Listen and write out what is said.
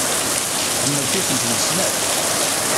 Tḥemmelt-itent deg snat.